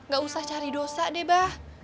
gak usah cari dosa deh bah